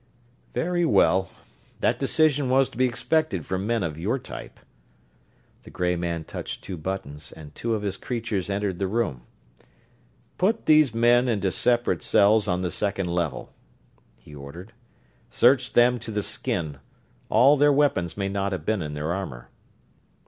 "Very well. That decision was to be expected from men of your type." The gray man touched two buttons and two of his creatures entered the room. "Put these men into separate cells on the second level," he ordered. "Search them to the skin: all their weapons may not have been in their armor.